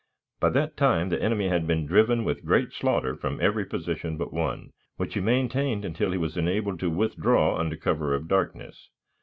By that time the enemy had been driven with great slaughter from every position but one, which he maintained until he was enabled to withdraw under cover of darkness.